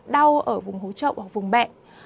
đau ở vùng hố trọng hoặc vùng bệnh